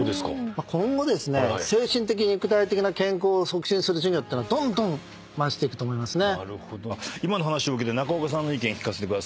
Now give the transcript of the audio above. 今後精神的肉体的な健康を促進する事業ってのはどんどん増していくと思いますね。